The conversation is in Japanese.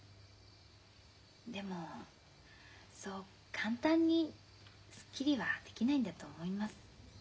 でもそう簡単にすっきりはできないんだと思います。